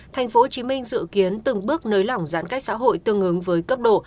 thành phố hồ chí minh dự kiến từng bước nới lỏng giãn cách xã hội tương ứng với cấp độ